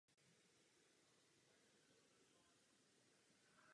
Ne každému členovi rodiny se tento způsob života líbí...